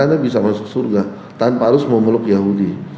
anda bisa masuk surga tanpa harus memeluk yahudi